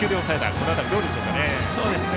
この辺り、どうでしょうかね。